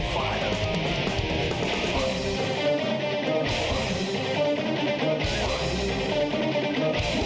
ฟ้ายเตอร์